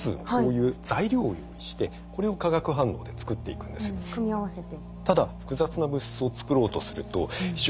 うん組み合わせて。